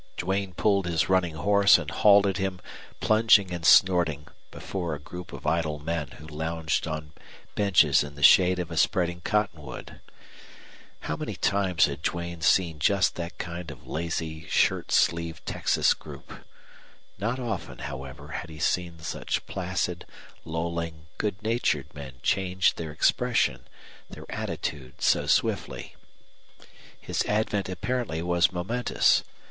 Duane pulled his running horse and halted him, plunging and snorting, before a group of idle men who lounged on benches in the shade of a spreading cottonwood. How many times had Duane seen just that kind of lazy shirt sleeved Texas group! Not often, however, had he seen such placid, lolling, good natured men change their expression, their attitude so swiftly. His advent apparently was momentous.